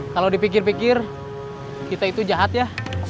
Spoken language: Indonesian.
kalau dipikir pikir kita itu jahat ya